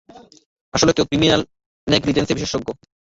আসলে, Hugh criminal নেগলিজেন্সে বিশেষজ্ঞ।